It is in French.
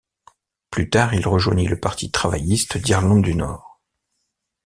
Plus tard, il rejoignit le Parti Travailliste d'Irlande du Nord.